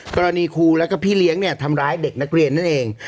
ครูแล้วก็พี่เลี้ยงเนี่ยทำร้ายเด็กนักเรียนนั่นเอง